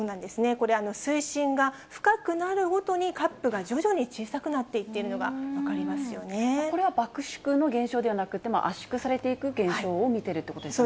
これ、水深が深くなるごとにカップが徐々に小さくなっていっているのがこれは爆縮の現象ではなくて、圧縮されていく現象を見てるということですね。